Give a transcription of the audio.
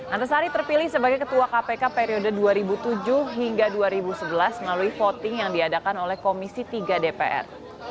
antasari terpilih sebagai ketua kpk periode dua ribu tujuh hingga dua ribu sebelas melalui voting yang diadakan oleh komisi tiga dpr